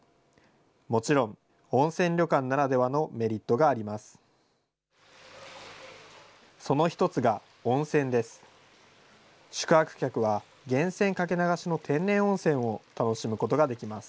もちろん、温泉旅館ならではのメリットがあります。